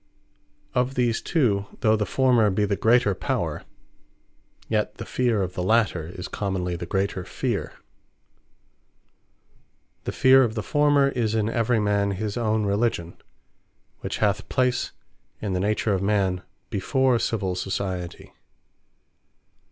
Of these two, though the former be the greater Power, yet the feare of the later is commonly the greater Feare. The Feare of the former is in every man, his own Religion: which hath place in the nature of man before Civill Society.